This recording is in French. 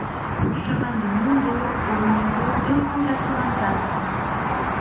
Chemin de Mondot au numéro deux cent quatre-vingt-quatre